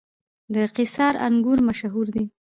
د قیصار انګور مشهور دي